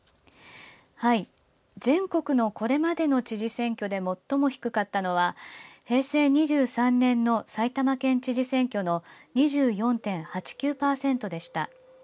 全国のこれまでの知事選挙で最も低かったのは平成２３年の埼玉県知事選挙の２４．８９％でした。